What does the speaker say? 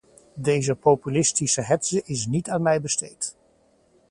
Deze populistische hetze is niet aan mij besteed.